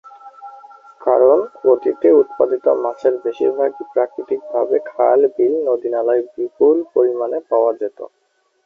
কারণ অতীতে উৎপাদিত মাছের বেশিরভাগই প্রাকৃতিকভাবে খাল-বিল, নদী-নালায় বিপুল পরিমাণে পাওয়া যেতো।